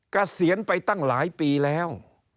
กระเสียนไปตั้งหลายปีแล้ว